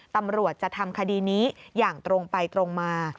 ตำรวจจะทำคดีนี้อย่างตรงไปตรงมา